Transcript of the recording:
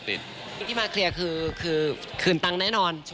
เกี่ยวกับผู้หญิงนี่มาเคลียร์คือคืนตังค์แน่นอน